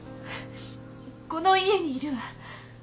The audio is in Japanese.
この家にいるわ。